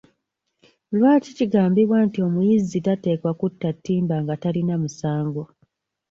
Lwaki kigambibwa nti omuyizzi tateekwa kutta ttimba nga talina musango?